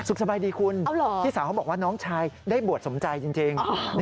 สบายดีคุณพี่สาวเขาบอกว่าน้องชายได้บวชสมใจจริง